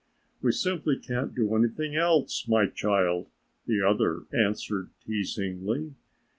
"We simply can't do anything else, my child" the other answered teasingly.